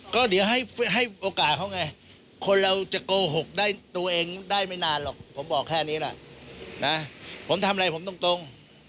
ก็เดี๋ยวให้โอกาสเขาไงคนเราจะโกหกได้ตัวเองได้ไม่นานหรอกผมบอกแค่นี้แหละนะผมทำอะไรผมตรง